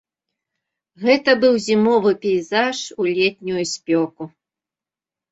Гэта быў зімовы пейзаж у летнюю спёку.